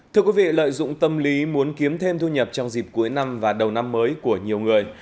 thưa quý vị lợi dụng tâm lý muốn kiếm thêm thu nhập trong dịp cuối năm và đầu năm mới của nhiều người